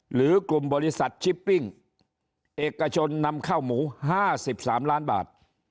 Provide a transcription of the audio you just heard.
หรือกลุ่มบริษัทชิปปิ้งเอกชนนำข้าวหมู๕๓ล้านบาท